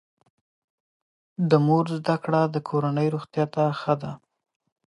د مور زده کړه د کورنۍ روغتیا ته ښه ده.